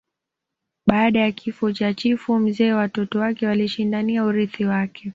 Baada ya kifo cha chifu mzee watoto wake walishindania urithi wake